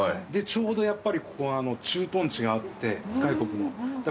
でちょうどやっぱりここ駐屯地があって外国の。